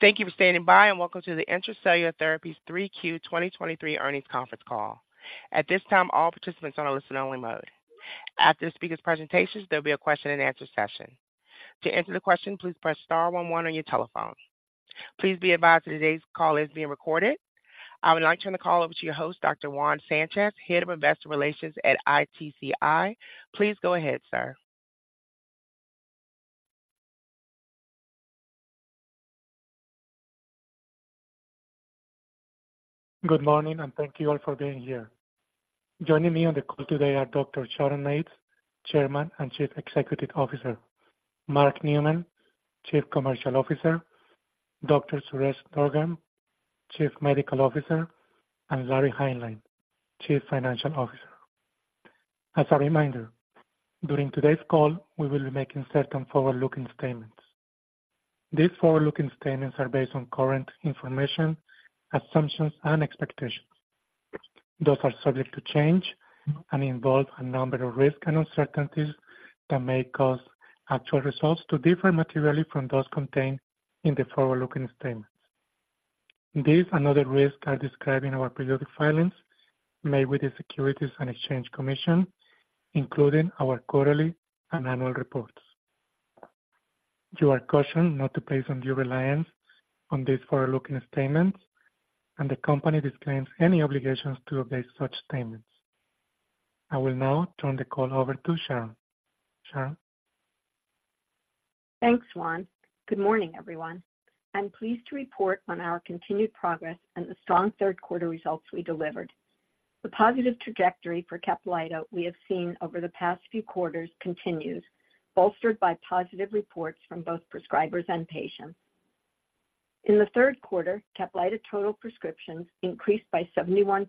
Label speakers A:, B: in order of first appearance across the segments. A: Thank you for standing by, and welcome to the Intra-Cellular Therapies 3Q 2023 Earnings Conference Call. At this time, all participants are on a listen-only mode. After the speaker's presentations, there'll be a question-and-answer session. To answer the question, please press star one one on your telephone. Please be advised that today's call is being recorded. I would like to turn the call over to your host, Dr. Juan Sanchez, Head of Investor Relations at ITCI. Please go ahead, sir.
B: Good morning, and thank you all for being here. Joining me on the call today are Dr. Sharon Mates, Chairman and Chief Executive Officer; Mark Neumann, Chief Commercial Officer; Dr. Suresh Durgam, Chief Medical Officer; and Larry Hineline, Chief Financial Officer. As a reminder, during today's call, we will be making certain forward-looking statements. These forward-looking statements are based on current information, assumptions, and expectations. Those are subject to change and involve a number of risks and uncertainties that may cause actual results to differ materially from those contained in the forward-looking statements. These and other risks are described in our periodic filings made with the Securities and Exchange Commission, including our quarterly and annual reports. You are cautioned not to place undue reliance on these forward-looking statements, and the company disclaims any obligations to update such statements. I will now turn the call over to Sharon. Sharon?
C: Thanks, Juan. Good morning, everyone. I'm pleased to report on our continued progress and the strong third quarter results we delivered. The positive trajectory for CAPLYTA we have seen over the past few quarters continues, bolstered by positive reports from both prescribers and patients. In the third quarter, CAPLYTA total prescriptions increased by 71%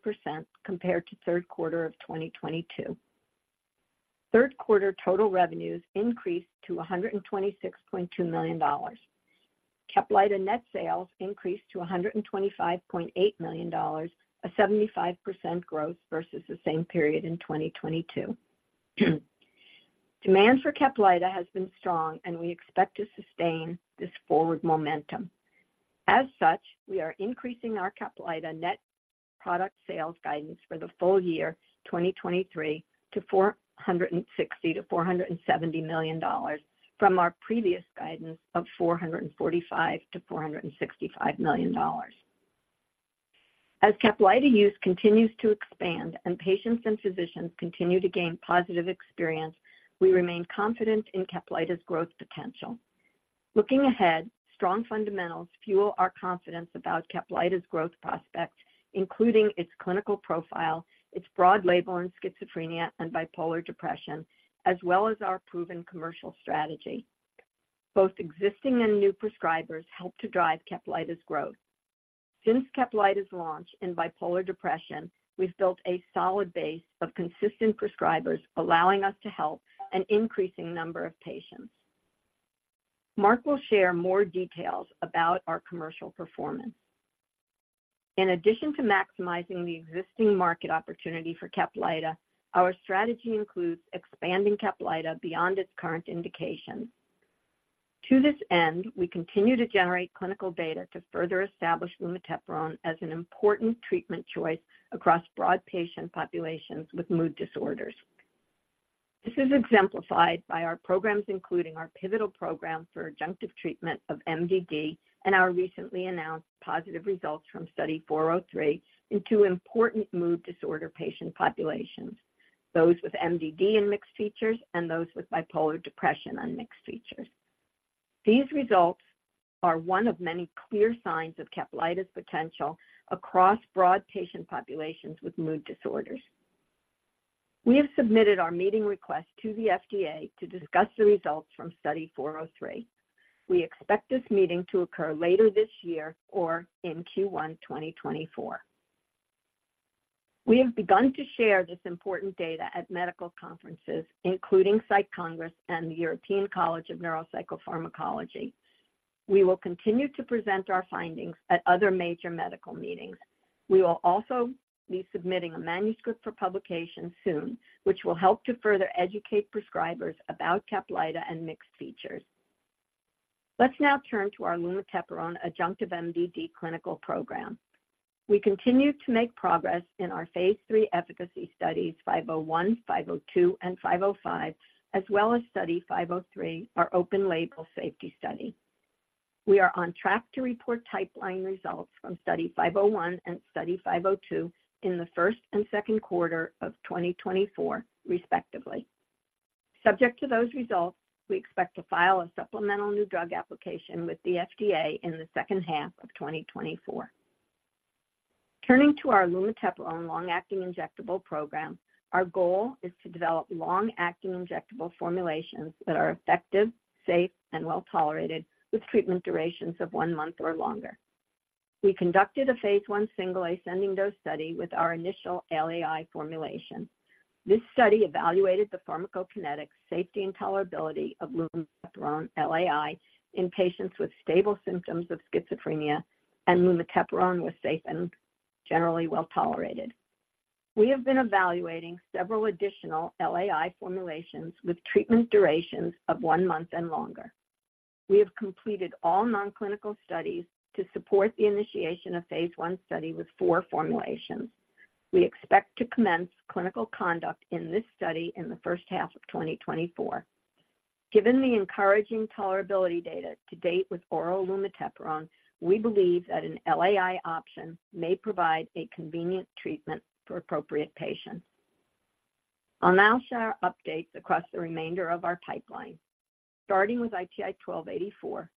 C: compared to third quarter of 2022. Third quarter total revenues increased to $126.2 million. CAPLYTA net sales increased to $125.8 million, a 75% growth versus the same period in 2022. Demand for CAPLYTA has been strong, and we expect to sustain this forward momentum. As such, we are increasing our CAPLYTA net product sales guidance for the full year 2023 to $460 million-$470 million from our previous guidance of $445 million-$465 million. As CAPLYTA use continues to expand and patients and physicians continue to gain positive experience, we remain confident in CAPLYTA's growth potential. Looking ahead, strong fundamentals fuel our confidence about CAPLYTA's growth prospects, including its clinical profile, its broad label in schizophrenia and bipolar depression, as well as our proven commercial strategy. Both existing and new prescribers help to drive CAPLYTA's growth. Since CAPLYTA's launch in bipolar depression, we've built a solid base of consistent prescribers, allowing us to help an increasing number of patients. Mark will share more details about our commercial performance. In addition to maximizing the existing market opportunity for CAPLYTA, our strategy includes expanding CAPLYTA beyond its current indications. To this end, we continue to generate clinical data to further establish lumateperone as an important treatment choice across broad patient populations with mood disorders. This is exemplified by our programs, including our pivotal program for adjunctive treatment of MDD and our recently announced positive results from Study 403 in two important mood disorder patient populations, those with MDD and mixed features, and those with bipolar depression and mixed features. These results are one of many clear signs of CAPLYTA's potential across broad patient populations with mood disorders. We have submitted our meeting request to the FDA to discuss the results from Study 403. We expect this meeting to occur later this year or in Q1 2024. We have begun to share this important data at medical conferences, including Psych Congress and the European College of Neuropsychopharmacology. We will continue to present our findings at other major medical meetings. We will also be submitting a manuscript for publication soon, which will help to further educate prescribers about Caplyta and mixed features. Let's now turn to our lumateperone adjunctive MDD clinical program. We continue to make progress in our phase 3 efficacy studies, 501, 502, and 505, as well as Study 503, our open-label safety study. We are on track to report pipeline results from Study 501 and Study 502 in the first and second quarter of 2024, respectively. Subject to those results, we expect to file a supplemental new drug application with the FDA in the second half of 2024. Turning to our lumateperone long-acting injectable program, our goal is to develop long-acting injectable formulations that are effective, safe, and well-tolerated, with treatment durations of one month or longer. We conducted a phase 1 single-ascending dose study with our initial LAI formulation. This study evaluated the pharmacokinetic safety and tolerability of lumateperone LAI in patients with stable symptoms of schizophrenia, and lumateperone was safe and generally well tolerated. We have been evaluating several additional LAI formulations with treatment durations of one month and longer. We have completed all non-clinical studies to support the initiation of phase 1 study with 4 formulations. We expect to commence clinical conduct in this study in the first half of 2024. Given the encouraging tolerability data to date with oral lumateperone, we believe that an LAI option may provide a convenient treatment for appropriate patients. I'll now share updates across the remainder of our pipeline, starting with ITI-1284.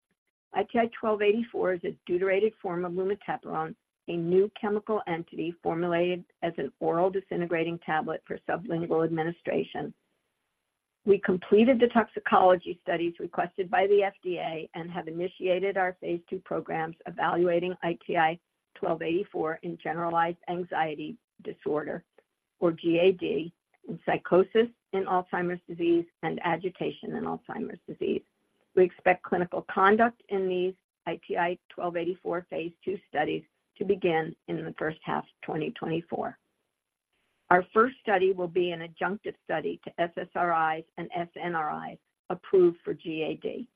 C: ITI-1284 is a deuterated form of lumateperone, a new chemical entity formulated as an oral disintegrating tablet for sublingual administration. We completed the toxicology studies requested by the FDA and have initiated our phase 2 programs evaluating ITI-1284 in generalized anxiety disorder, or GAD, in psychosis in Alzheimer's disease, and agitation in Alzheimer's disease. We expect clinical conduct in these ITI-1284 phase 2 studies to begin in the first half of 2024. Our first study will be an adjunctive study to SSRIs and SNRIs, approved for GAD.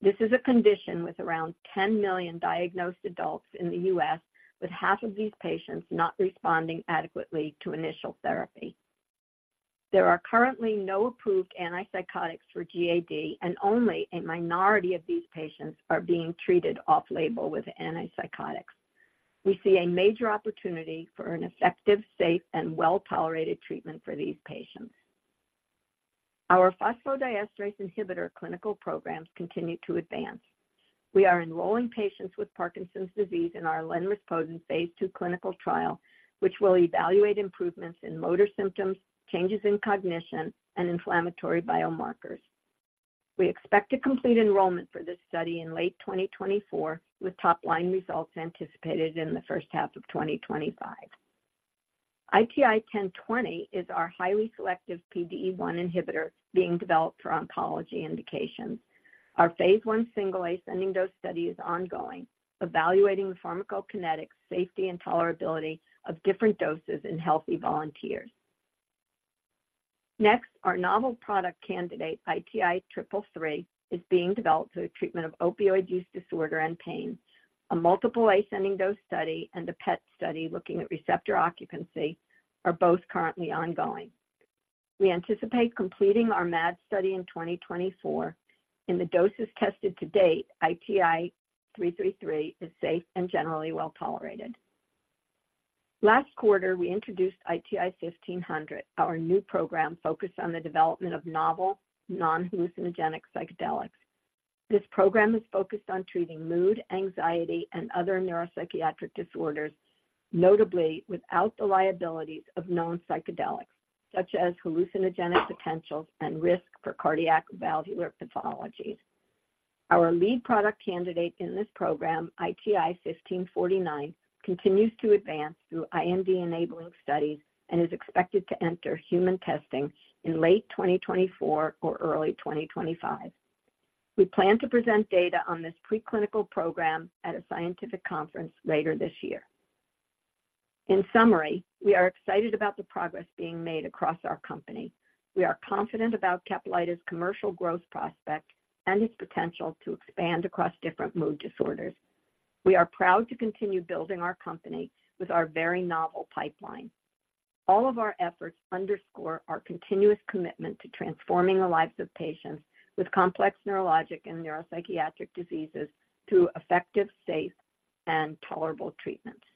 C: This is a condition with around 10 million diagnosed adults in the U.S., with half of these patients not responding adequately to initial therapy. There are currently no approved antipsychotics for GAD, and only a minority of these patients are being treated off-label with antipsychotics. We see a major opportunity for an effective, safe, and well-tolerated treatment for these patients. Our phosphodiesterase inhibitor clinical programs continue to advance. We are enrolling patients with Parkinson's disease in our lenrispodun phase 2 clinical trial, which will evaluate improvements in motor symptoms, changes in cognition, and inflammatory biomarkers. We expect to complete enrollment for this study in late 2024, with top-line results anticipated in the first half of 2025. ITI-1020 is our highly selective PDE1 inhibitor being developed for oncology indications. Our phase 1 single-ascending dose study is ongoing, evaluating the pharmacokinetics, safety, and tolerability of different doses in healthy volunteers. Next, our novel product candidate, ITI-333, is being developed for the treatment of opioid use disorder and pain. A multiple-ascending dose study and a PET study looking at receptor occupancy are both currently ongoing. We anticipate completing our MAD study in 2024. In the doses tested to date, ITI-333 is safe and generally well-tolerated. Last quarter, we introduced ITI-1500, our new program focused on the development of novel, non-hallucinogenic psychedelics. This program is focused on treating mood, anxiety, and other neuropsychiatric disorders, notably without the liabilities of known psychedelics, such as hallucinogenic potentials and risk for cardiac valvular pathologies. Our lead product candidate in this program, ITI-1549, continues to advance through IND-enabling studies and is expected to enter human testing in late 2024 or early 2025. We plan to present data on this preclinical program at a scientific conference later this year. In summary, we are excited about the progress being made across our company. We are confident about Caplyta's commercial growth prospects and its potential to expand across different mood disorders. We are proud to continue building our company with our very novel pipeline. All of our efforts underscore our continuous commitment to transforming the lives of patients with complex neurologic and neuropsychiatric diseases through effective, safe, and tolerable treatments.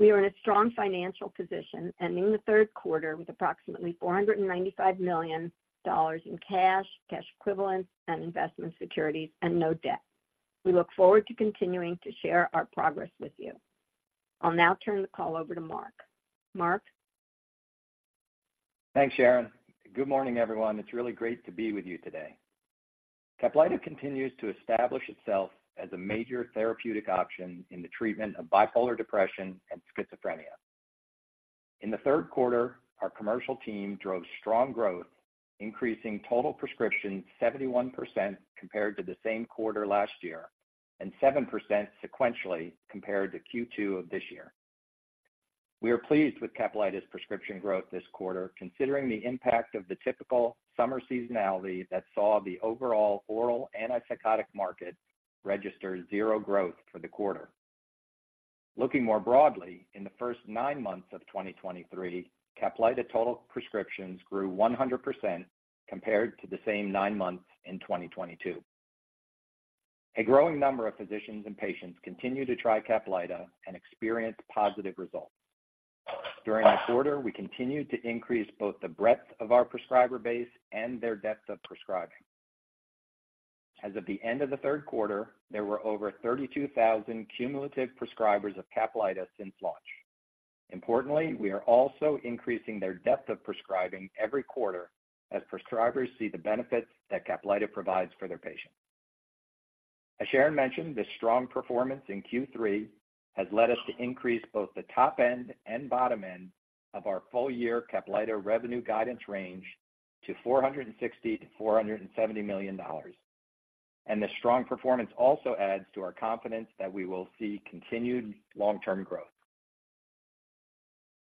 C: We are in a strong financial position, ending the third quarter with approximately $495 million in cash, cash equivalents, and investment securities, and no debt. We look forward to continuing to share our progress with you. I'll now turn the call over to Mark. Mark?
D: Thanks, Sharon. Good morning, everyone. It's really great to be with you today. Caplyta continues to establish itself as a major therapeutic option in the treatment of bipolar depression and schizophrenia. In the third quarter, our commercial team drove strong growth, increasing total prescriptions 71% compared to the same quarter last year and 7% sequentially compared to Q2 of this year. We are pleased with Caplyta's prescription growth this quarter, considering the impact of the typical summer seasonality that saw the overall oral antipsychotic market register zero growth for the quarter. Looking more broadly, in the first nine months of 2023, Caplyta total prescriptions grew 100% compared to the same nine months in 2022. A growing number of physicians and patients continue to try Caplyta and experience positive results. During this quarter, we continued to increase both the breadth of our prescriber base and their depth of prescribing. As of the end of the third quarter, there were over 32,000 cumulative prescribers of Caplyta since launch. Importantly, we are also increasing their depth of prescribing every quarter as prescribers see the benefits that Caplyta provides for their patients. As Sharon mentioned, this strong performance in Q3 has led us to increase both the top end and bottom end of our full-year Caplyta revenue guidance range to $460 million-$470 million... and the strong performance also adds to our confidence that we will see continued long-term growth.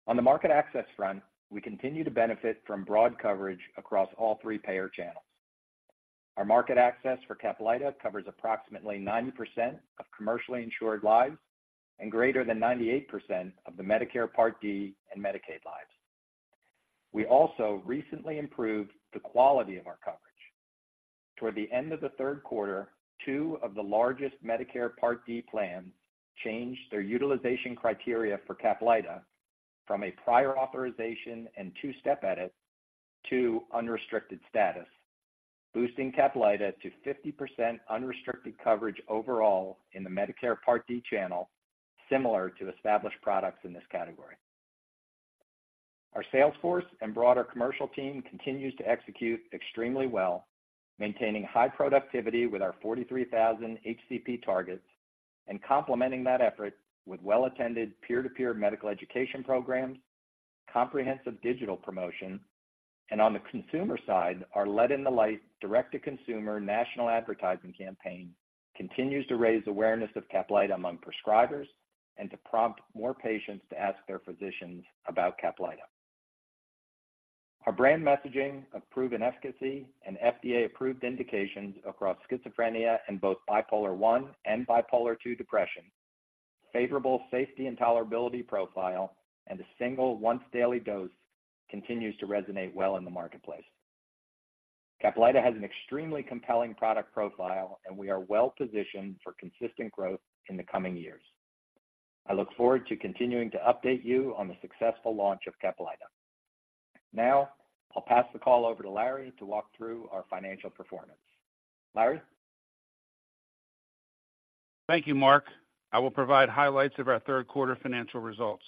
D: On the market access front, we continue to benefit from broad coverage across all three payer channels. Our market access for CAPLYTA covers approximately 90% of commercially insured lives and greater than 98% of the Medicare Part D and Medicaid lives. We also recently improved the quality of our coverage. Toward the end of the third quarter, 2 of the largest Medicare Part D plans changed their utilization criteria for CAPLYTA from a prior authorization and two-step edit to unrestricted status, boosting CAPLYTA to 50% unrestricted coverage overall in the Medicare Part D channel, similar to established products in this category. Our sales force and broader commercial team continues to execute extremely well, maintaining high productivity with our 43,000 HCP targets and complementing that effort with well-attended peer-to-peer medical education programs, comprehensive digital promotion, and on the consumer side, our Let In The Light direct-to-consumer national advertising campaign continues to raise awareness of CAPLYTA among prescribers and to prompt more patients to ask their physicians about CAPLYTA. Our brand messaging of proven efficacy and FDA-approved indications across schizophrenia in both bipolar one and bipolar two depression, favorable safety and tolerability profile, and a single once-daily dose continues to resonate well in the marketplace. CAPLYTA has an extremely compelling product profile, and we are well positioned for consistent growth in the coming years. I look forward to continuing to update you on the successful launch of CAPLYTA. Now, I'll pass the call over to Larry to walk through our financial performance. Larry?
E: Thank you, Mark. I will provide highlights of our third quarter financial results.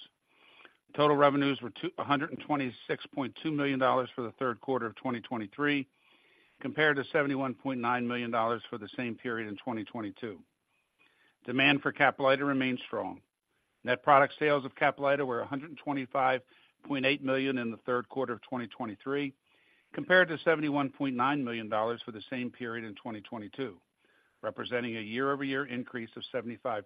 E: Total revenues were $126.2 million for the third quarter of 2023, compared to $71.9 million for the same period in 2022. Demand for Caplyta remains strong. Net product sales of Caplyta were $125.8 million in the third quarter of 2023, compared to $71.9 million for the same period in 2022, representing a year-over-year increase of 75%.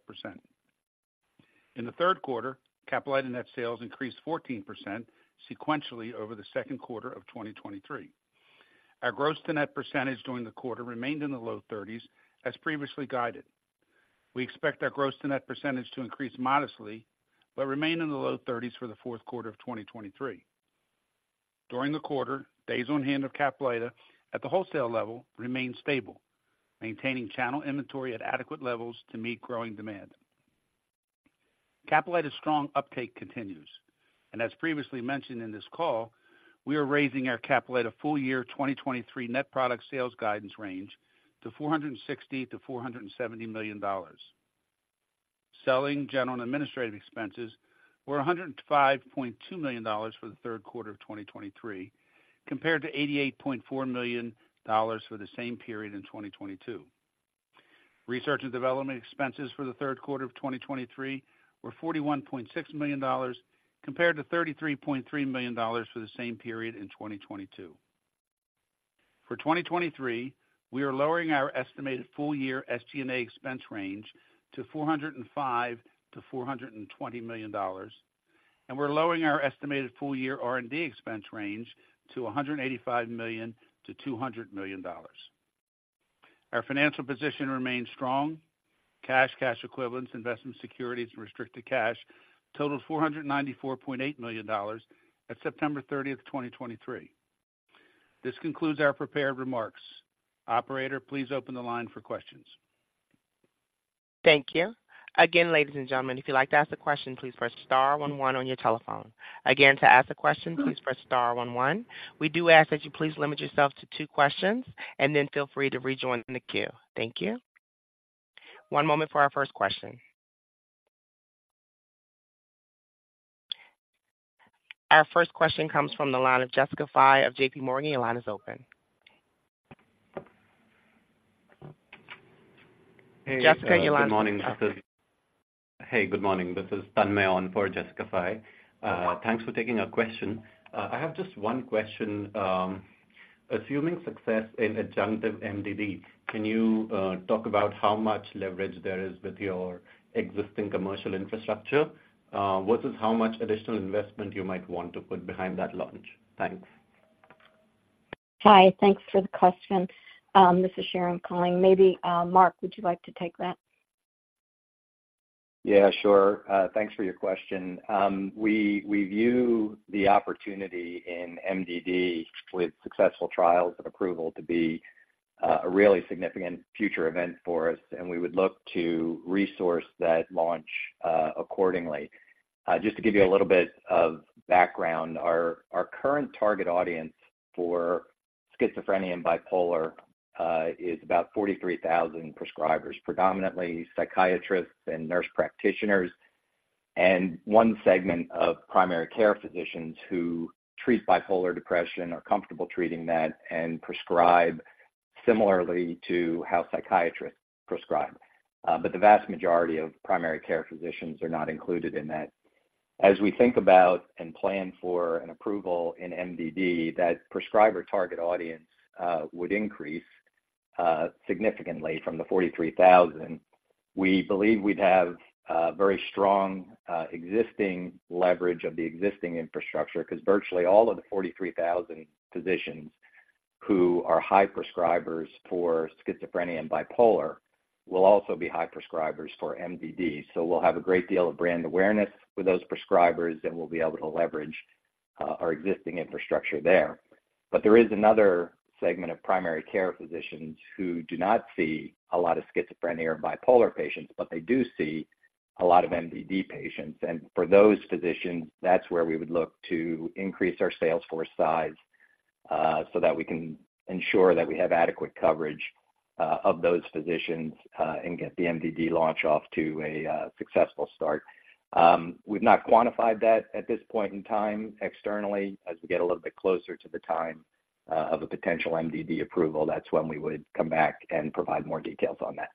E: In the third quarter, Caplyta net sales increased 14% sequentially over the second quarter of 2023. Our gross to net percentage during the quarter remained in the low thirties, as previously guided. We expect our gross to net percentage to increase modestly but remain in the low 30s for the fourth quarter of 2023. During the quarter, days on hand of Caplyta at the wholesale level remained stable, maintaining channel inventory at adequate levels to meet growing demand. Caplyta's strong uptake continues, and as previously mentioned in this call, we are raising our Caplyta full year 2023 net product sales guidance range to $460 million-$470 million. Selling, general, and administrative expenses were $105.2 million for the third quarter of 2023, compared to $88.4 million for the same period in 2022. Research and development expenses for the third quarter of 2023 were $41.6 million, compared to $33.3 million for the same period in 2022. For 2023, we are lowering our estimated full year SG&A expense range to $405 million-$420 million, and we're lowering our estimated full year R&D expense range to $185 million-$200 million. Our financial position remains strong. Cash, cash equivalents, investment securities, and restricted cash totaled $494.8 million at September 30, 2023. This concludes our prepared remarks. Operator, please open the line for questions.
A: Thank you. Again, ladies and gentlemen, if you'd like to ask a question, please press star one one on your telephone. Again, to ask a question, please press star one one. We do ask that you please limit yourself to two questions and then feel free to rejoin the queue. Thank you. One moment for our first question. Our first question comes from the line of Jessica Fye of JP Morgan. Your line is open. Jessica, your line-
F: Hey, good morning. This is Tanmay on for Jessica Fye. Thanks for taking our question. I have just one question. Assuming success in adjunctive MDD, can you talk about how much leverage there is with your existing commercial infrastructure, versus how much additional investment you might want to put behind that launch? Thanks.
C: Hi, thanks for the question. This is Sharon calling. Maybe, Mark, would you like to take that?
D: Yeah, sure. Thanks for your question. We view the opportunity in MDD with successful trials and approval to be a really significant future event for us, and we would look to resource that launch accordingly. Just to give you a little bit of background, our current target audience for schizophrenia and bipolar is about 43,000 prescribers, predominantly psychiatrists and nurse practitioners, and one segment of primary care physicians who treat bipolar depression, are comfortable treating that, and prescribe similarly to how psychiatrists prescribe. But the vast majority of primary care physicians are not included in that. As we think about and plan for an approval in MDD, that prescriber target audience would increase significantly from the 43,000. We believe we'd have very strong existing leverage of the existing infrastructure, 'cause virtually all of the 43,000 physicians who are high prescribers for schizophrenia and bipolar will also be high prescribers for MDD. So we'll have a great deal of brand awareness with those prescribers, and we'll be able to leverage our existing infrastructure there. But there is another segment of primary care physicians who do not see a lot of schizophrenia or bipolar patients, but they do see a lot of MDD patients. And for those physicians, that's where we would look to increase our sales force size, so that we can ensure that we have adequate coverage of those physicians and get the MDD launch off to a successful start. We've not quantified that at this point in time externally, as we get a little bit closer to the time of a potential MDD approval, that's when we would come back and provide more details on that.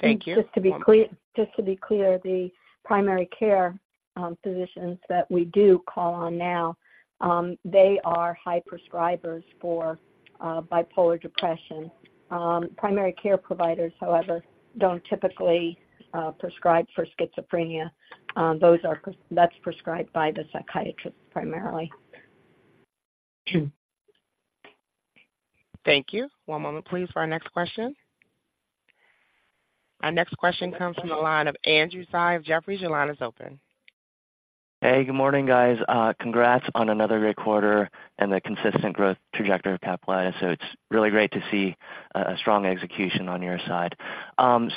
A: Thank you.
C: Just to be clear, just to be clear, the primary care physicians that we do call on now, they are high prescribers for bipolar depression. Primary care providers, however, don't typically prescribe for schizophrenia. That's prescribed by the psychiatrist primarily.
A: Thank you. One moment, please, for our next question. Our next question comes from the line of Andrew Tsai of Jefferies. Your line is open.
G: Hey, good morning, guys. Congrats on another great quarter and the consistent growth trajectory of Caplyta. So it's really great to see a strong execution on your side.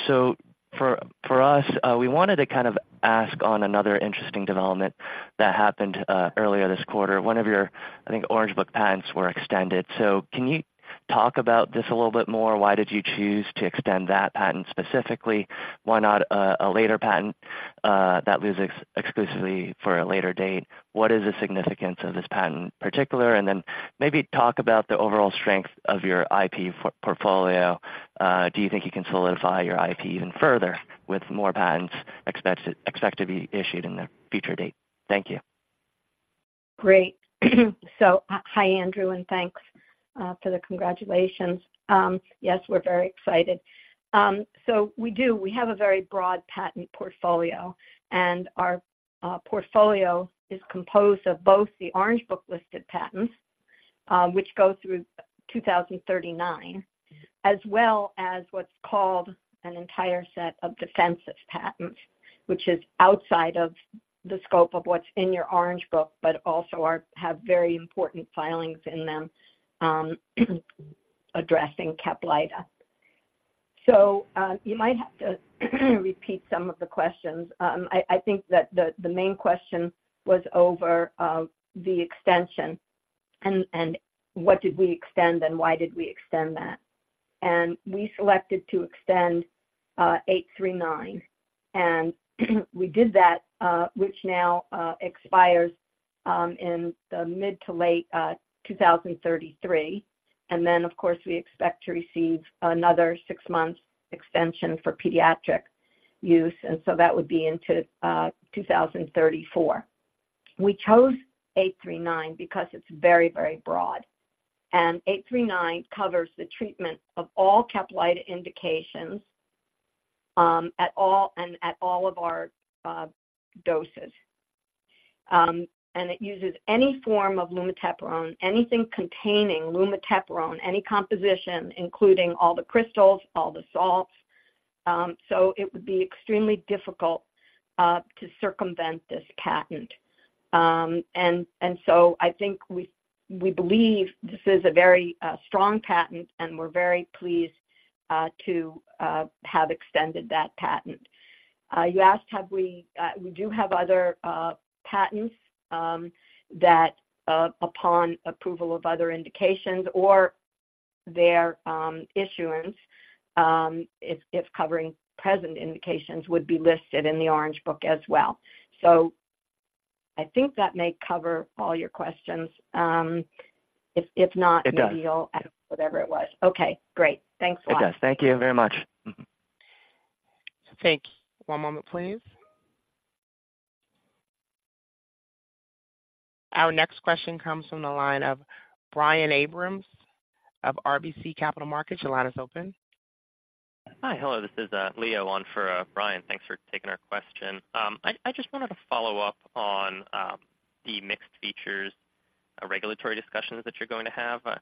G: So for us, we wanted to kind of ask on another interesting development that happened earlier this quarter. One of your, I think, Orange Book patents were extended. So can you talk about this a little bit more? Why did you choose to extend that patent specifically? Why not a later patent that was exclusively for a later date? What is the significance of this patent particular? And then maybe talk about the overall strength of your IP portfolio. Do you think you can solidify your IP even further with more patents expected to be issued in the future date? Thank you.
C: Great. So, hi, Andrew, and thanks for the congratulations. Yes, we're very excited. So we do, we have a very broad patent portfolio, and our portfolio is composed of both the Orange Book listed patents, which go through 2039, as well as what's called an entire set of defensive patents, which is outside of the scope of what's in your Orange Book, but also have very important filings in them, addressing Caplyta. So, you might have to repeat some of the questions. I think that the main question was over the extension and what did we extend and why did we extend that? And we selected to extend 839, and we did that, which now expires in the mid-to-late 2033. And then, of course, we expect to receive another six-month extension for pediatric use, and so that would be into 2034. We chose 839 because it's very, very broad. And 839 covers the treatment of all CAPLYTA indications at all of our doses. And it uses any form of lumateperone, anything containing lumateperone, any composition, including all the crystals, all the salts. So it would be extremely difficult to circumvent this patent. And so I think we believe this is a very strong patent, and we're very pleased to have extended that patent. You asked, have we... We do have other patents that, upon approval of other indications or their issuance, if covering present indications would be listed in the Orange Book as well. So I think that may cover all your questions. If not-
G: It does.
C: Maybe you'll add whatever it was. Okay, great. Thanks a lot.
G: It does. Thank you very much.
A: Thank you. One moment, please. Our next question comes from the line of Brian Abrahams of RBC Capital Markets. Your line is open.
H: Hi. Hello, this is, Leo on for, Brian. Thanks for taking our question. I just wanted to follow up on the mixed features regulatory discussions that you're going to have. I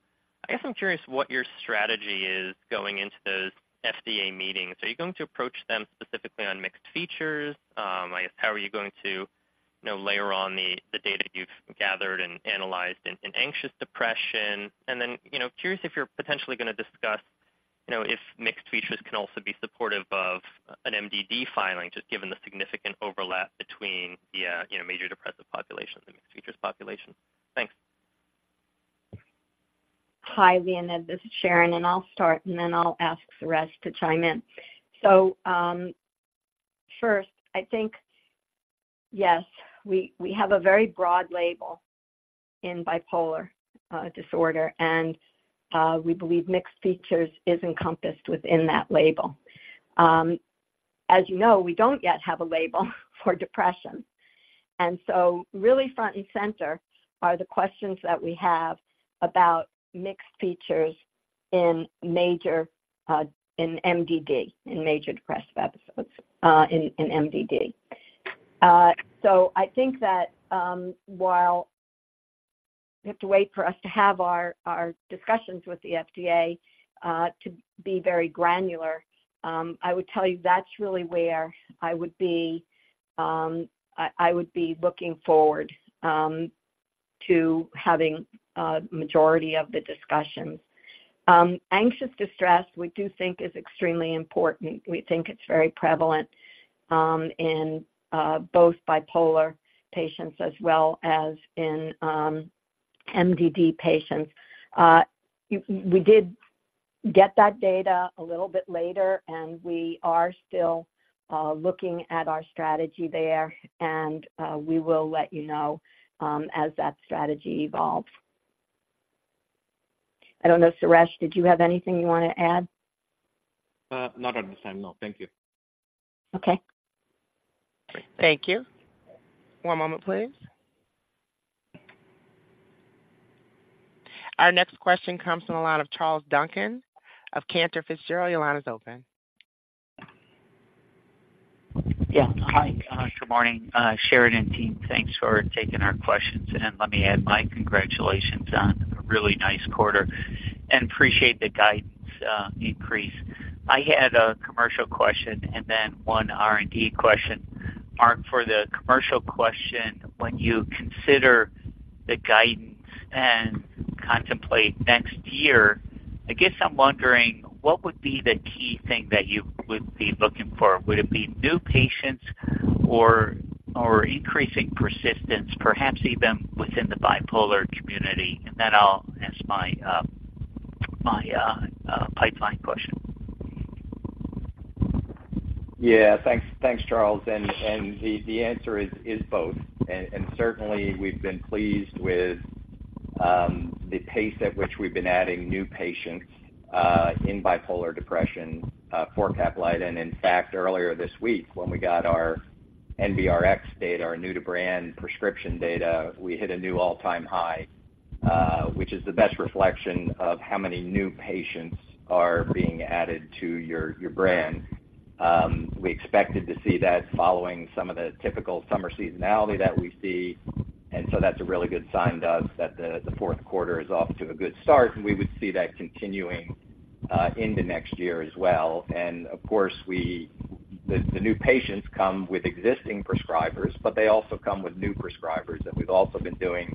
H: guess I'm curious what your strategy is going into those FDA meetings. Are you going to approach them specifically on mixed features? I guess, how are you going to, you know, layer on the data you've gathered and analyzed in anxious depression? And then, you know, curious if you're potentially gonna discuss, you know, if mixed features can also be supportive of an MDD filing, just given the significant overlap between the, you know, major depressive population and the mixed features population. Thanks.
C: Hi, Leo. This is Sharon, and I'll start, and then I'll ask the rest to chime in. So, first, I think, yes, we have a very broad label in bipolar disorder, and we believe mixed features is encompassed within that label. As you know, we don't yet have a label for depression. And so really front and center are the questions that we have about mixed features in major in MDD, in major depressive episodes in MDD. So I think that while we have to wait for us to have our discussions with the FDA to be very granular, I would tell you that's really where I would be looking forward to having a majority of the discussions. Anxious distress, we do think is extremely important. We think it's very prevalent in both bipolar patients as well as in MDD patients. We did get that data a little bit later, and we are still looking at our strategy there, and we will let you know as that strategy evolves. I don't know, Suresh, did you have anything you want to add?
I: Not at this time, no. Thank you.
C: Okay.
A: Thank you. One moment, please. Our next question comes from the line of Charles Duncan of Cantor Fitzgerald. Your line is open.
J: Yeah. Hi, good morning, Sharon and team. Thanks for taking our questions, and let me add my congratulations on a really nice quarter and appreciate the guidance increase. I had a commercial question and then one R&D question. Mark, for the commercial question, when you consider the guidance and contemplate next year, I guess I'm wondering, what would be the key thing that you would be looking for? Would it be new patients or increasing persistence, perhaps even within the bipolar community? And then I'll ask my pipeline question.
D: Yeah, thanks. Thanks, Charles. The answer is both. Certainly, we've been pleased with the pace at which we've been adding new patients in bipolar depression for Caplyta. And in fact, earlier this week, when we got our NBRx data, our new-to-brand prescription data, we hit a new all-time high, which is the best reflection of how many new patients are being added to your brand. We expected to see that following some of the typical summer seasonality that we see, and so that's a really good sign, Doug, that the fourth quarter is off to a good start, and we would see that continuing into next year as well. Of course, the new patients come with existing prescribers, but they also come with new prescribers, and we've also been doing,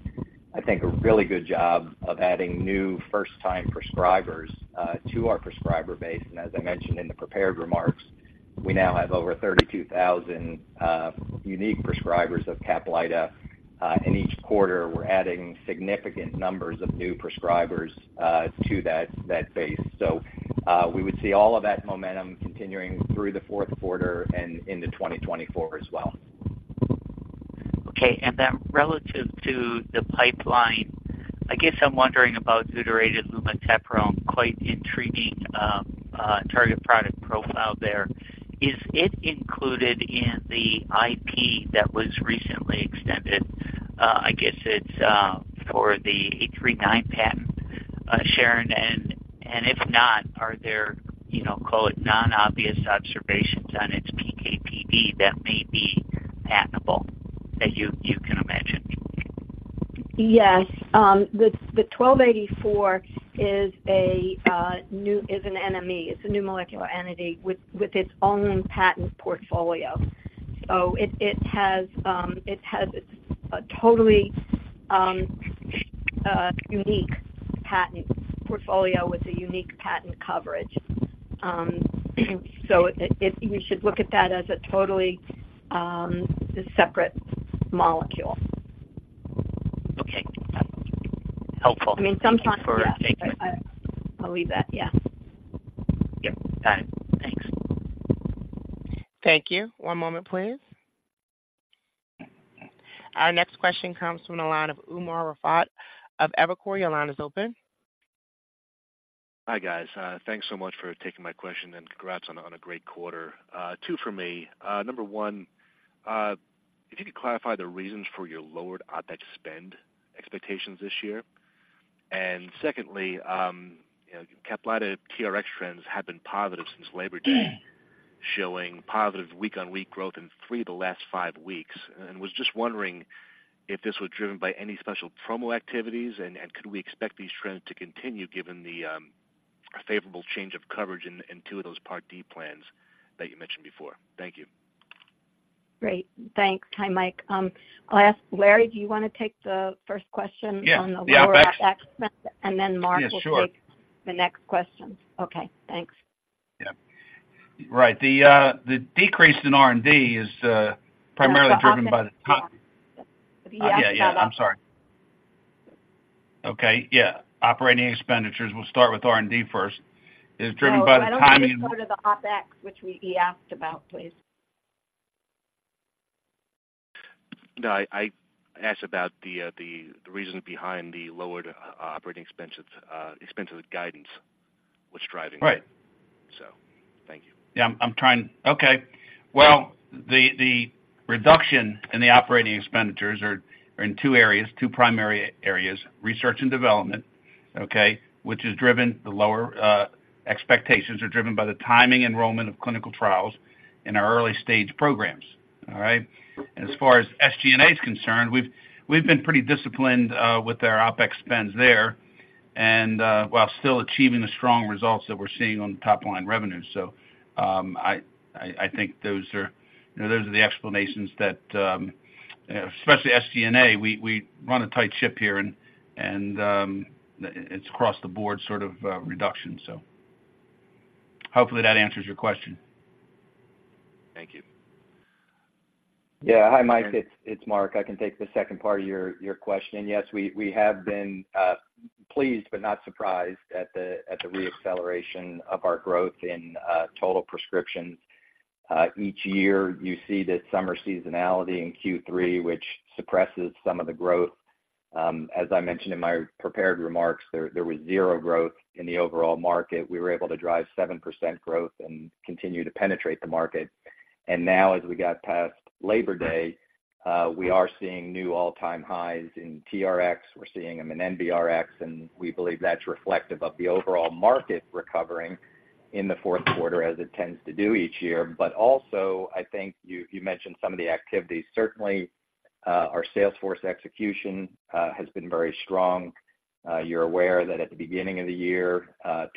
D: I think, a really good job of adding new first-time prescribers to our prescriber base. As I mentioned in the prepared remarks, we now have over 32,000 unique prescribers of Caplyta. In each quarter, we're adding significant numbers of new prescribers to that base. So, we would see all of that momentum continuing through the fourth quarter and into 2024 as well.
J: Okay. And then relative to the pipeline, I guess I'm wondering about deuterated lumateperone, quite intriguing, target product profile there. Is it included in the IP that was recently extended? I guess it's for the A 3 9 patent, Sharon. And, and if not, are there, you know, call it non-obvious observations on its PK/PD that may be patentable, that you, you can imagine?
C: Yes. The ITI-1284 is an NME. It's a new molecular entity with its own patent portfolio. So you should look at that as a totally separate molecule.
J: Okay. Helpful.
C: I mean, sometimes-
J: Thanks for taking-
C: Yeah. I'll leave that, yeah.
J: Yep. Got it. Thanks.
A: Thank you. One moment, please. Our next question comes from the line of Umar Raffat of Evercore. Your line is open.
K: Hi, guys. Thanks so much for taking my question, and congrats on a great quarter. Two for me. Number one, if you could clarify the reasons for your lowered OpEx spend expectations this year. And secondly, CAPLYTA TRx trends have been positive since Labor Day, showing positive week-on-week growth in three of the last five weeks. And was just wondering if this was driven by any special promo activities, and could we expect these trends to continue given the favorable change of coverage in two of those Part D plans that you mentioned before? Thank you.
C: Great. Thanks. Hi, Mike. I'll ask Larry, do you want to take the first question?
E: Yeah
C: -on the lower OpEx, and then Mark-
E: Yeah, sure.
C: Will take the next question. Okay, thanks.
E: Yeah. Right. The decrease in R&D is primarily driven by the-
C: The OpEx.
E: Yeah, yeah, I'm sorry. Okay, yeah. Operating expenditures, we'll start with R&D first, is driven by the timing-
C: No, I don't want to go to the OpEx, which we asked about, please. ...
K: No, I asked about the reason behind the lowered operating expenses guidance, what's driving it?
E: Right.
K: Thank you.
E: Yeah, I'm trying... Okay. Well, the reduction in the operating expenditures are in two areas, two primary areas: research and development, okay? Which has driven the lower expectations, are driven by the timing enrollment of clinical trials in our early stage programs. All right? And as far as SG&A is concerned, we've been pretty disciplined with our OpEx spends there, and while still achieving the strong results that we're seeing on the top line revenue. So, I think those are, you know, those are the explanations that, especially SG&A, we run a tight ship here, and it's across the board sort of reduction. So hopefully that answers your question.
K: Thank you.
D: Yeah. Hi, Mike. It's Mark. I can take the second part of your question. Yes, we have been pleased, but not surprised at the re-acceleration of our growth in total prescriptions. Each year, you see the summer seasonality in Q3, which suppresses some of the growth. As I mentioned in my prepared remarks, there was zero growth in the overall market. We were able to drive 7% growth and continue to penetrate the market. And now, as we got past Labor Day, we are seeing new all-time highs in TRX. We're seeing them in NBRX, and we believe that's reflective of the overall market recovering in the fourth quarter, as it tends to do each year. But also, I think you mentioned some of the activities. Certainly, our sales force execution has been very strong. You're aware that at the beginning of the year,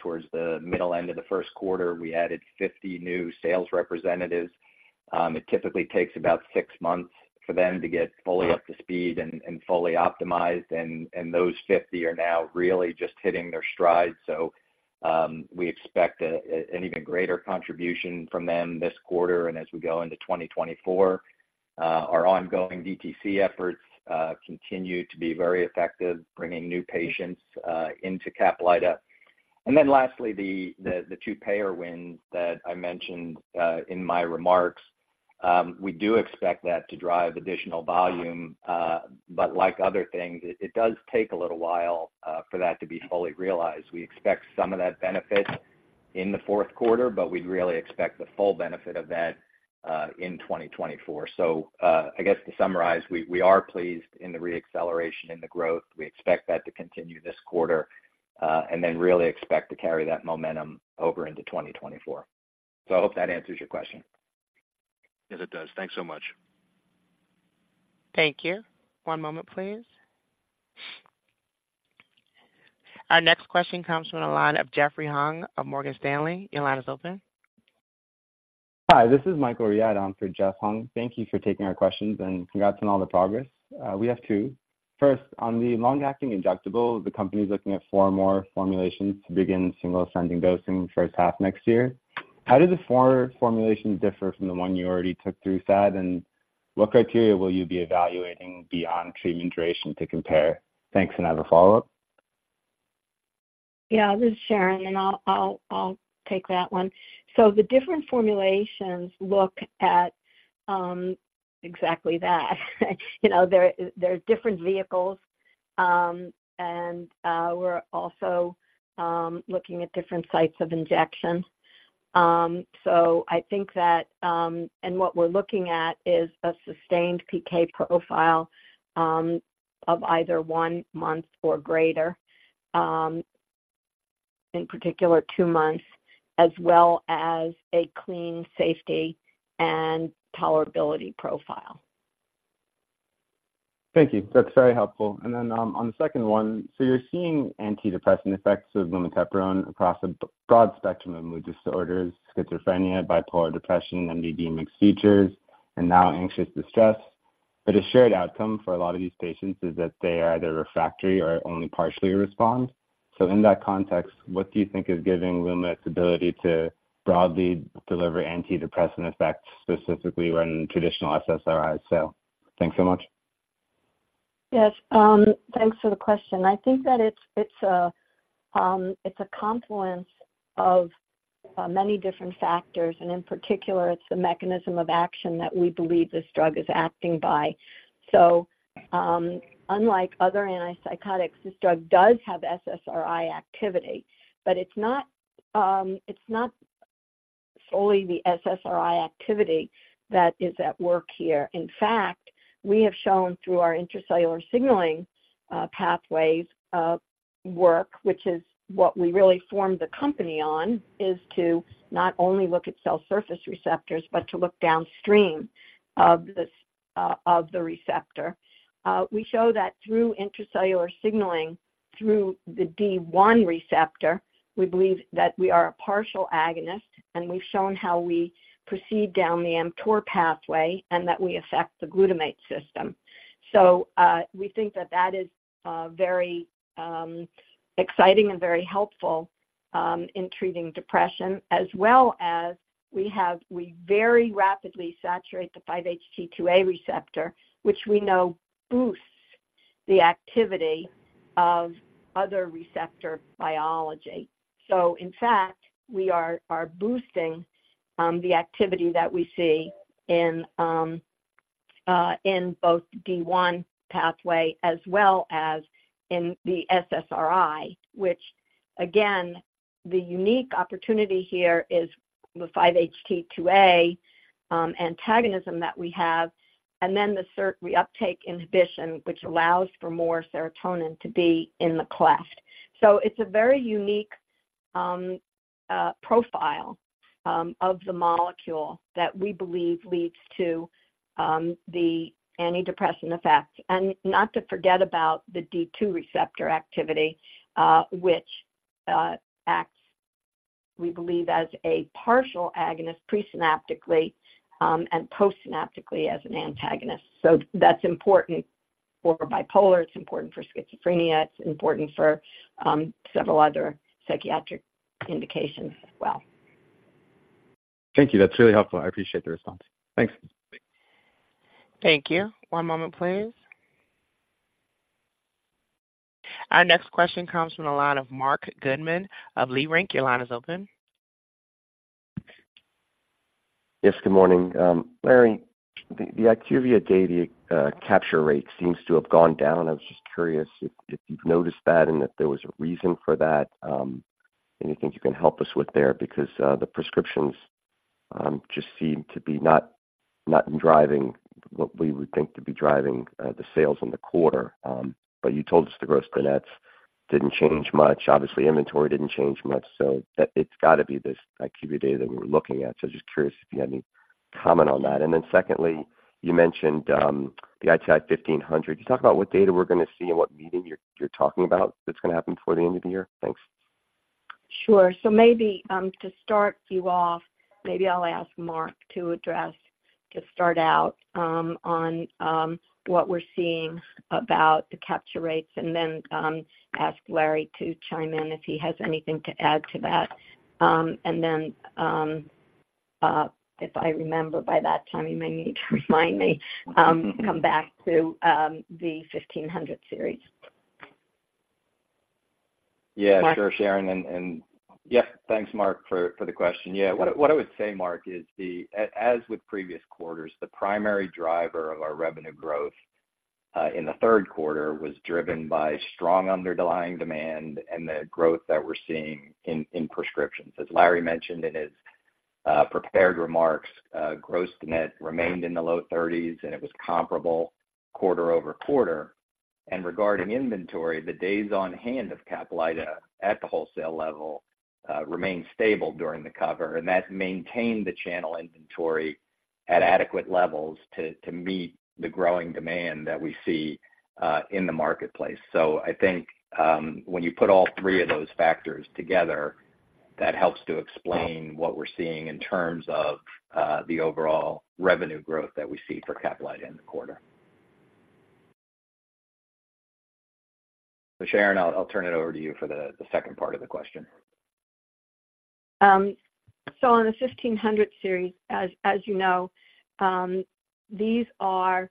D: towards the middle end of the first quarter, we added 50 new sales representatives. It typically takes about six months for them to get fully up to speed and fully optimized, and those 50 are now really just hitting their stride. So, we expect an even greater contribution from them this quarter and as we go into 2024. Our ongoing DTC efforts continue to be very effective, bringing new patients into Caplyta. And then lastly, the two payer wins that I mentioned in my remarks. We do expect that to drive additional volume, but like other things, it does take a little while for that to be fully realized. We expect some of that benefit in the fourth quarter, but we'd really expect the full benefit of that in 2024. So, I guess to summarize, we are pleased in the re-acceleration in the growth. We expect that to continue this quarter, and then really expect to carry that momentum over into 2024. So I hope that answers your question.
K: Yes, it does. Thanks so much.
A: Thank you. One moment, please. Our next question comes from the line of Jeff Hung of Morgan Stanley. Your line is open.
L: Hi, this is Michael Riad on for Jeff Hung. Thank you for taking our questions, and congrats on all the progress. We have two. First, on the long-acting injectable, the company is looking at four more formulations to begin single ascending dosing first half next year. How do the four formulations differ from the one you already took through phase, and what criteria will you be evaluating beyond treatment duration to compare? Thanks, and I have a follow-up.
C: Yeah, this is Sharon, and I'll take that one. So the different formulations look at exactly that. You know, there, they're different vehicles, and we're also looking at different sites of injection. So I think that, and what we're looking at is a sustained PK profile of either one month or greater, in particular, two months, as well as a clean safety and tolerability profile.
L: Thank you. That's very helpful. And then, on the second one: so you're seeing antidepressant effects of lumateperone across a broad spectrum of mood disorders, schizophrenia, bipolar depression, MDD mixed features, and now anxious distress. But a shared outcome for a lot of these patients is that they are either refractory or only partially respond. So in that context, what do you think is giving lumateperone's ability to broadly deliver antidepressant effects, specifically when traditional SSRIs as well? Thanks so much.
C: Yes, thanks for the question. I think that it's a confluence of many different factors, and in particular, it's a mechanism of action that we believe this drug is acting by. So, unlike other antipsychotics, this drug does have SSRI activity, but it's not solely the SSRI activity that is at work here. In fact, we have shown through our intracellular signaling pathways work, which is what we really formed the company on, is to not only look at cell surface receptors, but to look downstream of the receptor. We show that through intracellular signaling, through the D1 receptor, we believe that we are a partial agonist, and we've shown how we proceed down the mTOR pathway and that we affect the glutamate system. So, we think that that is very exciting and very helpful in treating depression, as well as we very rapidly saturate the 5-HT2A receptor, which we know boosts the activity of other receptor biology. So in fact, we are boosting the activity that we see in both D1 pathway as well as in the SSRI, which again, the unique opportunity here is the 5-HT2A antagonism that we have, and then the SERT reuptake inhibition, which allows for more serotonin to be in the cleft. So it's a very unique profile of the molecule that we believe leads to the antidepressant effect. And not to forget about the D2 receptor activity, which acts, we believe, as a partial agonist presynaptically and postsynaptically as an antagonist. So that's important for bipolar, it's important for schizophrenia, it's important for several other psychiatric indications as well.
L: Thank you. That's really helpful. I appreciate the response. Thanks.
A: Thank you. One moment, please. Our next question comes from the line of Marc Goodman of Leerink. Your line is open.
M: Yes, good morning. Larry, the IQVIA data capture rate seems to have gone down. I was just curious if you've noticed that and if there was a reason for that, anything you can help us with there? Because the prescriptions just seem to be not driving what we would think to be driving the sales in the quarter. But you told us the gross to net didn't change much. Obviously, inventory didn't change much, so it's got to be this IQVIA data that we're looking at. So just curious if you had any comment on that. And then secondly, you mentioned the ITI-1500. Can you talk about what data we're going to see and what meeting you're talking about that's going to happen before the end of the year? Thanks.
C: Sure. So maybe, to start you off, maybe I'll ask Mark to address, to start out, on, what we're seeing about the capture rates and then, ask Larry to chime in if he has anything to add to that. And then, if I remember by that time, you may need to remind me, come back to, the 1500 series.
D: Yeah, sure, Sharon.
C: Mark?
D: Yep, thanks, Marc, for the question. Yeah. What I would say, Marc, is, as with previous quarters, the primary driver of our revenue growth in the third quarter was driven by strong underlying demand and the growth that we're seeing in prescriptions. As Larry mentioned in his prepared remarks, gross-to-net remained in the low 30s, and it was comparable quarter-over-quarter. And regarding inventory, the days on hand of CAPLYTA at the wholesale level remained stable during the quarter, and that maintained the channel inventory at adequate levels to meet the growing demand that we see in the marketplace. So I think, when you put all three of those factors together, that helps to explain what we're seeing in terms of the overall revenue growth that we see for CAPLYTA in the quarter. So Sharon, I'll turn it over to you for the second part of the question.
C: So on the 1,500 series, as you know, these are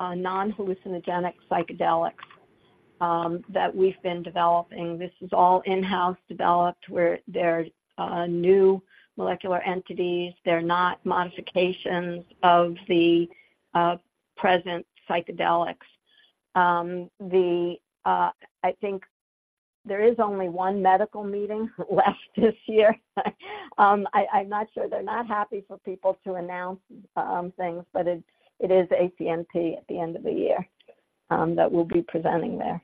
C: non-hallucinogenic psychedelics that we've been developing. This is all in-house developed, where they're new molecular entities. They're not modifications of the present psychedelics. I think there is only one medical meeting left this year. I'm not sure. They're not happy for people to announce things, but it is ACNP at the end of the year that we'll be presenting there.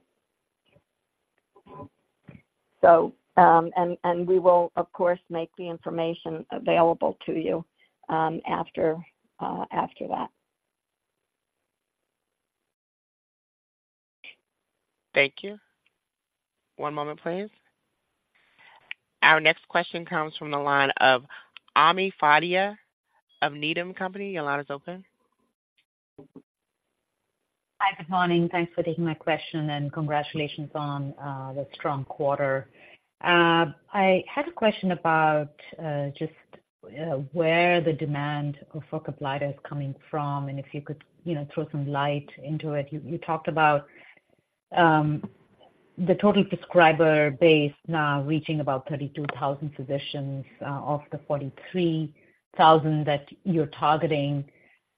C: So, we will, of course, make the information available to you after that.
A: Thank you. One moment, please. Our next question comes from the line of Ami Fadia of Needham & Company. Your line is open.
N: Hi, good morning. Thanks for taking my question, and congratulations on the strong quarter. I had a question about just where the demand for CAPLYTA is coming from, and if you could, you know, throw some light into it. You talked about the total prescriber base now reaching about 32,000 physicians of the 43,000 that you're targeting.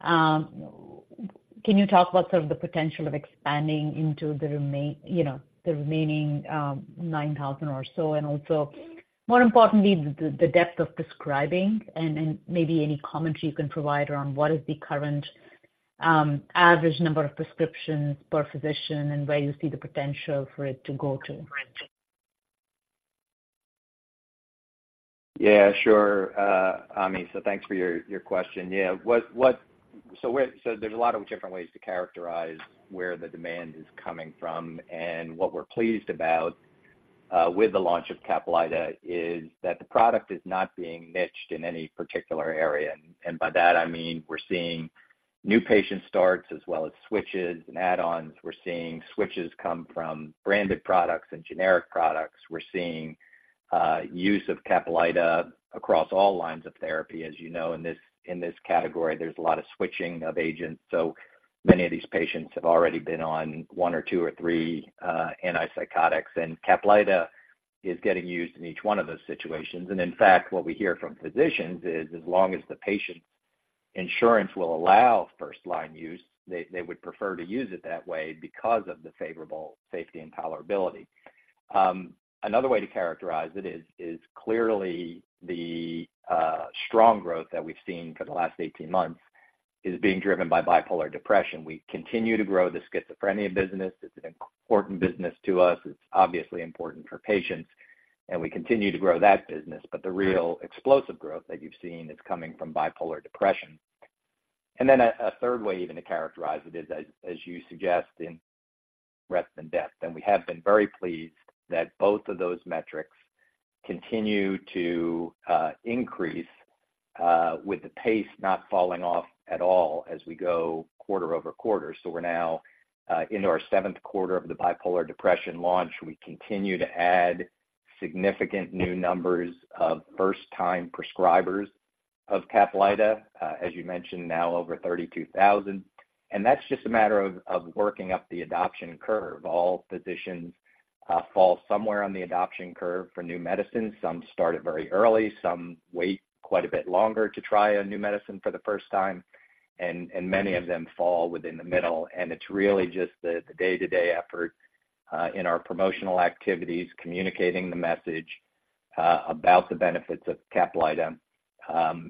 N: Can you talk about sort of the potential of expanding into the, you know, remaining 9,000 or so? And also, more importantly, the depth of prescribing and then maybe any commentary you can provide around what is the current average number of prescriptions per physician and where you see the potential for it to go to?
D: Yeah, sure, Ami. So thanks for your question. Yeah. So where there's a lot of different ways to characterize where the demand is coming from, and what we're pleased about with the launch of Caplyta is that the product is not being niched in any particular area. And by that, I mean, we're seeing new patient starts as well as switches and add-ons. We're seeing switches come from branded products and generic products. We're seeing use of Caplyta across all lines of therapy. As you know, in this category, there's a lot of switching of agents. So many of these patients have already been on one or two or three antipsychotics, and Caplyta is getting used in each one of those situations. And in fact, what we hear from physicians is, as long as the patient's insurance will allow first-line use, they would prefer to use it that way because of the favorable safety and tolerability. Another way to characterize it is clearly the strong growth that we've seen for the last 18 months is being driven by bipolar depression. We continue to grow the schizophrenia business. It's an important business to us. It's obviously important for patients, and we continue to grow that business. But the real explosive growth that you've seen is coming from bipolar depression. And then a third way even to characterize it is, as you suggest, in breadth and depth, and we have been very pleased that both of those metrics continue to increase with the pace not falling off at all as we go quarter-over-quarter. So we're now into our seventh quarter of the bipolar depression launch. We continue to add significant new numbers of first-time prescribers of CAPLYTA, as you mentioned, now over 32,000, and that's just a matter of working up the adoption curve. All physicians fall somewhere on the adoption curve for new medicines. Some start it very early, some wait quite a bit longer to try a new medicine for the first time, and many of them fall within the middle. And it's really just the day-to-day effort in our promotional activities, communicating the message about the benefits of CAPLYTA,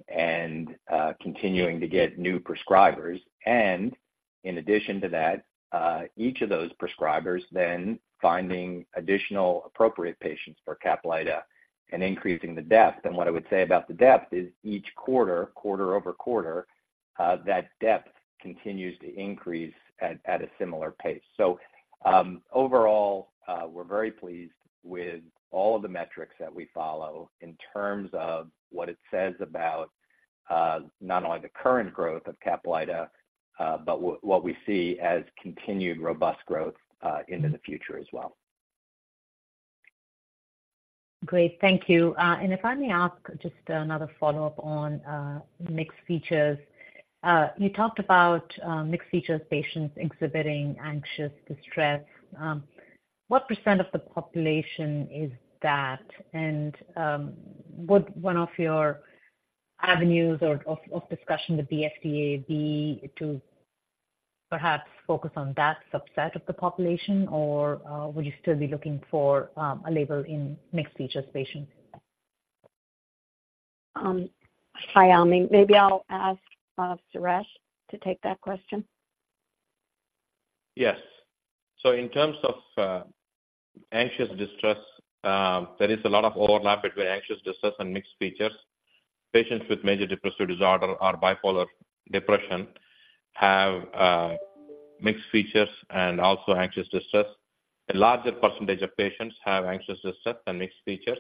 D: and continuing to get new prescribers. And in addition to that, each of those prescribers then finding additional appropriate patients for CAPLYTA and increasing the depth. What I would say about the depth is each quarter, quarter-over-quarter, that depth continues to increase at a similar pace. Overall, we're very pleased with all of the metrics that we follow in terms of what it says about not only the current growth of Caplyta, but what we see as continued robust growth into the future as well.
N: Great. Thank you. If I may ask just another follow-up on mixed features. You talked about mixed features, patients exhibiting anxious distress. What percent of the population is that? And would one of your avenues of discussion with the FDA be to perhaps focus on that subset of the population, or would you still be looking for a label in mixed features patients?
C: Hi, Ami. Maybe I'll ask Suresh to take that question.
I: Yes. So in terms of anxious distress, there is a lot of overlap between anxious distress and mixed features. Patients with major depressive disorder or bipolar depression have mixed features and also anxious distress. A larger percentage of patients have anxious distress than mixed features,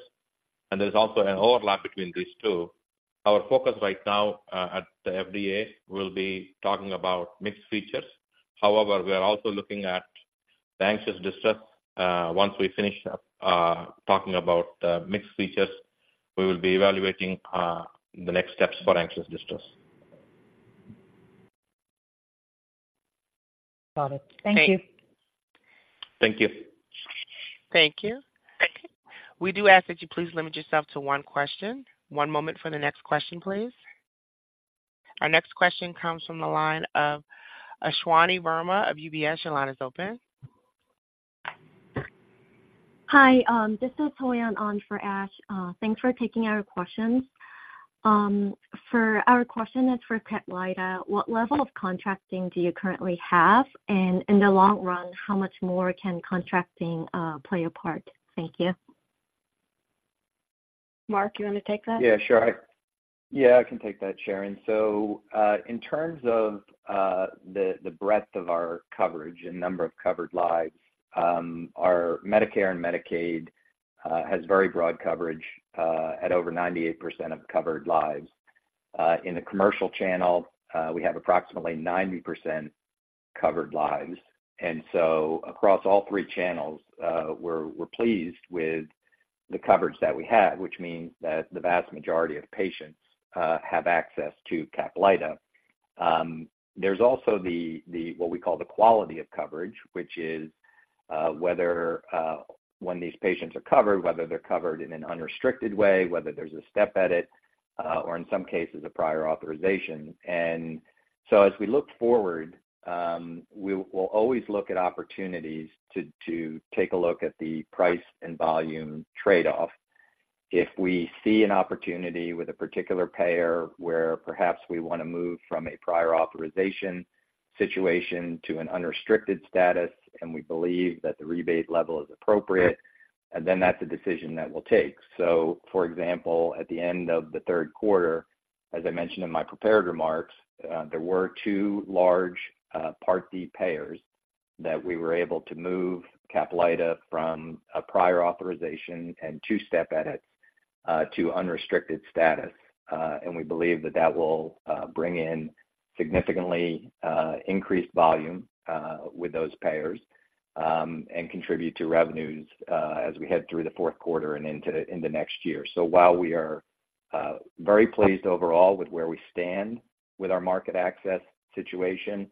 I: and there is also an overlap between these two. Our focus right now at the FDA will be talking about mixed features. However, we are also looking at the anxious distress. Once we finish up talking about mixed features, we will be evaluating the next steps for anxious distress.
N: Got it. Thank you.
I: Thank you.
A: Thank you. We do ask that you please limit yourself to one question. One moment for the next question, please. Our next question comes from the line of Ashwani Verma of UBS. Your line is open.
O: Hi. This is Huy on for Ash. Thanks for taking our questions. For our question is for CAPLYTA. What level of contracting do you currently have? And in the long run, how much more can contracting play a part? Thank you.
C: Mark, you want to take that?
D: Yeah, sure. Yeah, I can take that, Sharon. So, in terms of the breadth of our coverage and number of covered lives, our Medicare and Medicaid has very broad coverage at over 98% of covered lives. In the commercial channel, we have approximately 90% covered lives. And so across all three channels, we're pleased with the coverage that we have, which means that the vast majority of patients have access to CAPLYTA. There's also the what we call the quality of coverage, which is whether when these patients are covered, whether they're covered in an unrestricted way, whether there's a step edit or in some cases, a prior authorization. As we look forward, we will always look at opportunities to take a look at the price and volume trade-off. If we see an opportunity with a particular payer, where perhaps we want to move from a prior authorization situation to an unrestricted status, and we believe that the rebate level is appropriate, then that's a decision that we'll take. So for example, at the end of the third quarter, as I mentioned in my prepared remarks, there were two large Part D payers that we were able to move CAPLYTA from a prior authorization and two step edits to unrestricted status. And we believe that that will bring in significantly increased volume with those payers, and contribute to revenues as we head through the fourth quarter and into next year. So while we are very pleased overall with where we stand with our market access situation,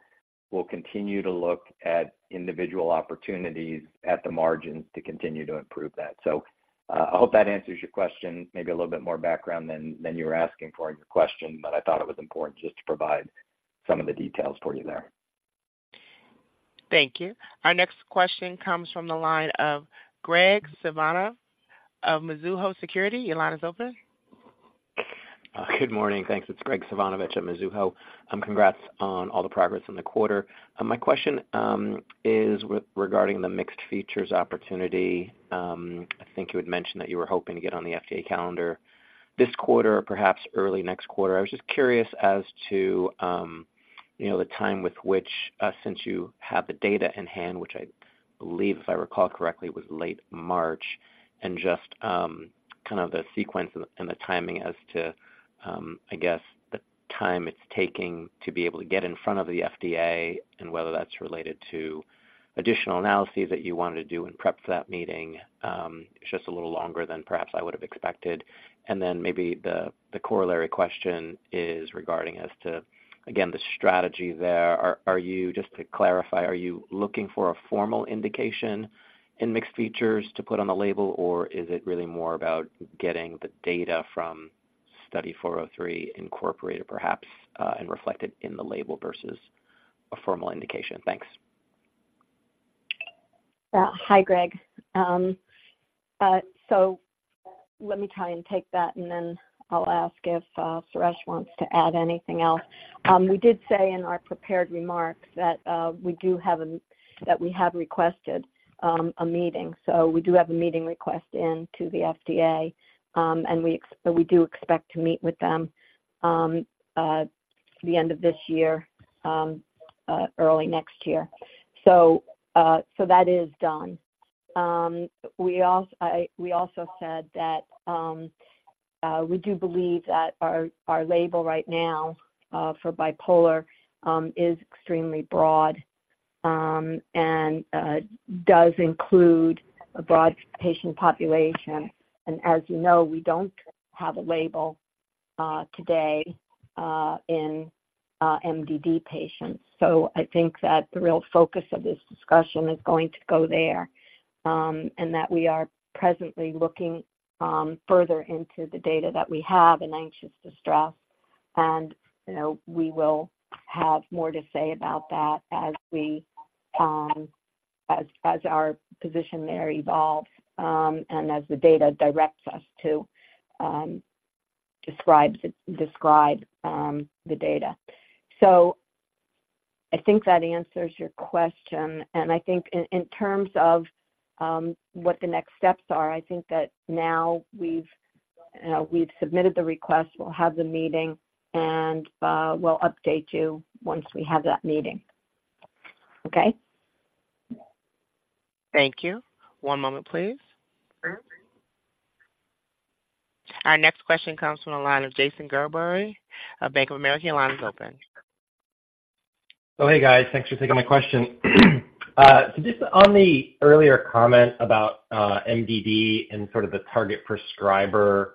D: we'll continue to look at individual opportunities at the margin to continue to improve that. So, I hope that answers your question, maybe a little bit more background than you were asking for in your question, but I thought it was important just to provide some of the details for you there.
A: Thank you. Our next question comes from the line of Greg Suvannavejh of Mizuho Securities. Your line is open.
P: Good morning. Thanks. It's Graig Suvannavejh at Mizuho. Congrats on all the progress in the quarter. My question is with regarding the mixed features opportunity. I think you had mentioned that you were hoping to get on the FDA calendar this quarter or perhaps early next quarter. I was just curious as to, you know, the time with which, since you have the data in hand, which I believe, if I recall correctly, was late March, and just, kind of the sequence and the timing as to, I guess, the time it's taking to be able to get in front of the FDA and whether that's related to additional analyses that you wanted to do in prep for that meeting. It's just a little longer than perhaps I would have expected. And then maybe the corollary question is regarding as to, again, the strategy there. Are you... Just to clarify, are you looking for a formal indication in mixed features to put on the label, or is it really more about getting the data from Study 403 incorporated perhaps, and reflected in the label versus a formal indication? Thanks.
C: Hi, Graig. So let me try and take that, and then I'll ask if Suresh wants to add anything else. We did say in our prepared remarks that we do have a, that we have requested a meeting. So we do have a meeting request in to the FDA, and we and we do expect to meet with them the end of this year early next year. So that is done. We also said that we do believe that our label right now for bipolar is extremely broad and does include a broad patient population. And as you know, we don't have a label today in MDD patients. So I think that the real focus of this discussion is going to go there, and that we are presently looking further into the data that we have in anxious distress. And, you know, we will have more to say about that as our position there evolves, and as the data directs us to describe the data. So I think that answers your question. And I think in terms of what the next steps are, I think that now we've submitted the request, we'll have the meeting, and we'll update you once we have that meeting. Okay?
A: Thank you. One moment, please. Our next question comes from the line of Jason Gerberry of Bank of America. Your line is open.
Q: Oh, hey, guys. Thanks for taking my question. So just on the earlier comment about MDD and sort of the target prescriber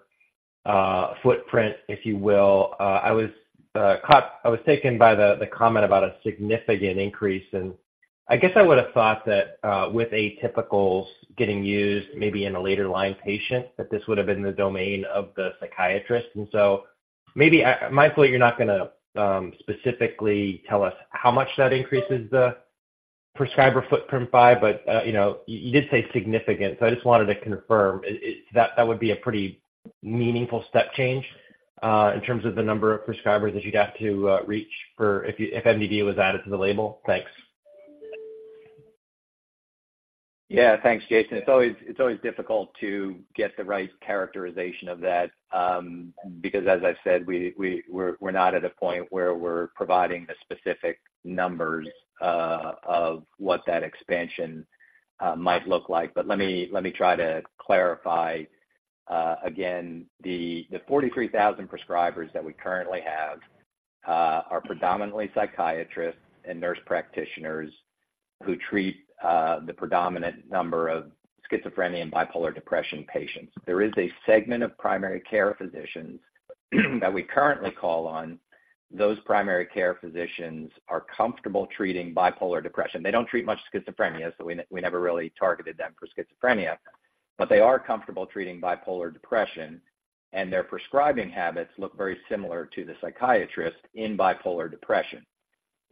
Q: footprint, if you will, I was taken by the comment about a significant increase, and I guess I would have thought that with atypicals getting used maybe in a later line patient, that this would have been the domain of the psychiatrist. And so maybe I'm mindful you're not gonna specifically tell us how much that increases the prescriber footprint by, but you know, you did say significant, so I just wanted to confirm. That would be a pretty meaningful step change in terms of the number of prescribers that you'd have to reach for if MDD was added to the label? Thanks.
D: Yeah, thanks, Jason. It's always, it's always difficult to get the right characterization of that, because as I've said, we're not at a point where we're providing the specific numbers of what that expansion might look like. But let me try to clarify. Again, the 43,000 prescribers that we currently have are predominantly psychiatrists and nurse practitioners who treat the predominant number of schizophrenia and bipolar depression patients. There is a segment of primary care physicians that we currently call on. Those primary care physicians are comfortable treating bipolar depression. They don't treat much schizophrenia, so we never really targeted them for schizophrenia, but they are comfortable treating bipolar depression, and their prescribing habits look very similar to the psychiatrist in bipolar depression.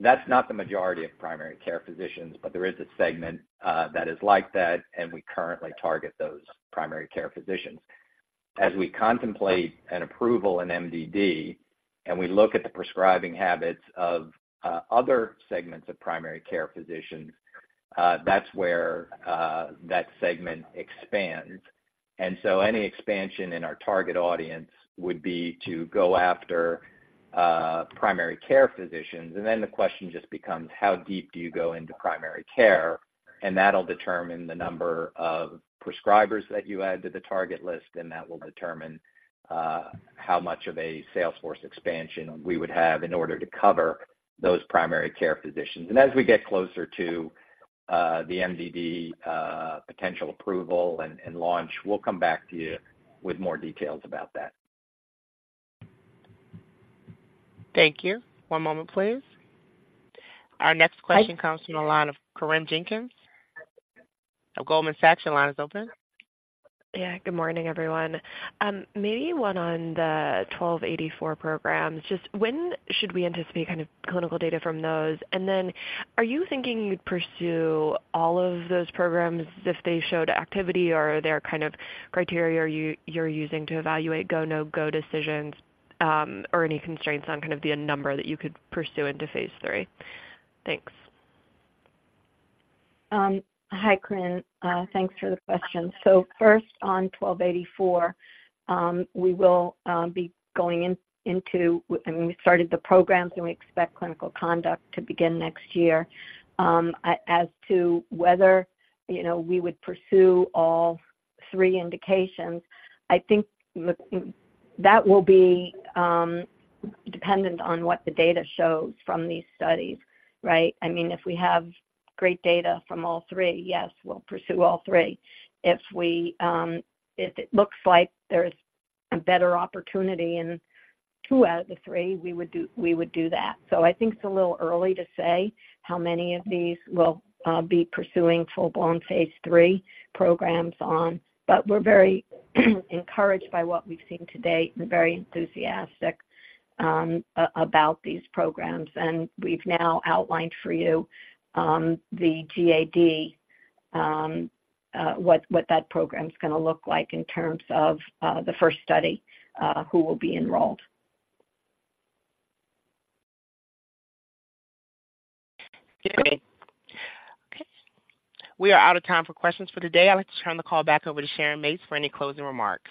D: That's not the majority of primary care physicians, but there is a segment that is like that, and we currently target those primary care physicians. As we contemplate an approval in MDD, and we look at the prescribing habits of other segments of primary care physicians, that's where that segment expands. So any expansion in our target audience would be to go after primary care physicians. Then the question just becomes: How deep do you go into primary care?... That'll determine the number of prescribers that you add to the target list, and that will determine how much of a sales force expansion we would have in order to cover those primary care physicians. As we get closer to the MDD potential approval and launch, we'll come back to you with more details about that.
A: Thank you. One moment, please. Our next question comes from the line of Corinne Jenkins of Goldman Sachs. Your line is open.
R: Yeah, good morning, everyone. Maybe one on the 1284 programs. Just when should we anticipate kind of clinical data from those? And then are you thinking you'd pursue all of those programs if they showed activity, or are there kind of criteria you're using to evaluate go, no-go decisions, or any constraints on kind of the number that you could pursue into Phase III? Thanks.
C: Hi, Corinne. Thanks for the question. So first, on ITI-1284, we will be going in, into, and we started the programs, and we expect clinical conduct to begin next year. As to whether, you know, we would pursue all three indications, I think that will be dependent on what the data shows from these studies, right? I mean, if we have great data from all three, yes, we'll pursue all three. If it looks like there's a better opportunity in two out of the three, we would do that. So I think it's a little early to say how many of these we'll be pursuing full-blown phase III programs on, but we're very encouraged by what we've seen to date and very enthusiastic about these programs. We've now outlined for you the GAD, what that program's gonna look like in terms of the first study, who will be enrolled.
A: Great. Okay, we are out of time for questions for today. I'd like to turn the call back over to Sharon Mates for any closing remarks.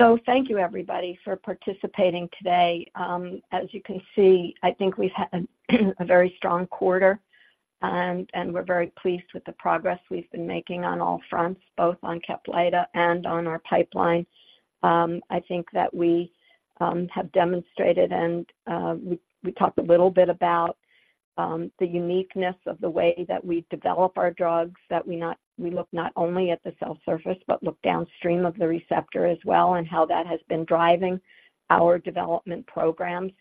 C: So thank you, everybody, for participating today. As you can see, I think we've had a very strong quarter, and we're very pleased with the progress we've been making on all fronts, both on Caplyta and on our pipeline. I think that we have demonstrated and we talked a little bit about the uniqueness of the way that we develop our drugs, that we look not only at the cell surface, but look downstream of the receptor as well, and how that has been driving our development programs,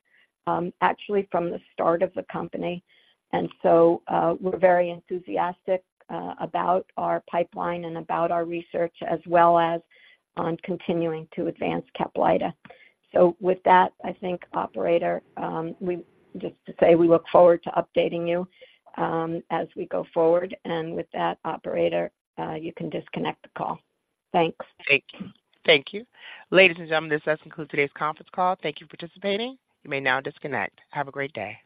C: actually from the start of the company. And so, we're very enthusiastic about our pipeline and about our research, as well as on continuing to advance Caplyta. So with that, I think, operator, we just to say we look forward to updating you as we go forward. With that, operator, you can disconnect the call. Thanks.
A: Thank you. Thank you. Ladies and gentlemen, this does conclude today's conference call. Thank you for participating. You may now disconnect. Have a great day.